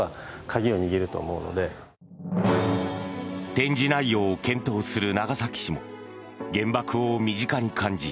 展示内容を検討する長崎市も原爆を身近に感じ